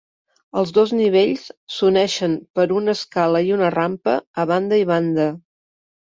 Els dos nivells s'uneixen per una escala i una rampa a banda i banda.